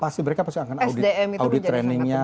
pasti mereka pasti akan audit trainingnya